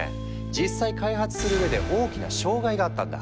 実際開発するうえで大きな障害があったんだ。